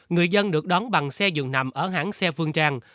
người dân được đón bằng xe dường nằm ở hãng xe phương trang